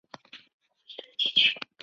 驻台北韩国代表部。